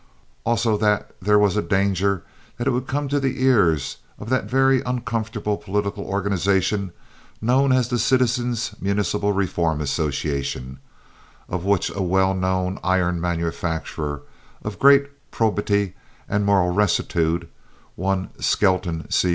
Also that there was danger that it would come to the ears of that very uncomfortable political organization known as the Citizens' Municipal Reform Association, of which a well known iron manufacturer of great probity and moral rectitude, one Skelton C.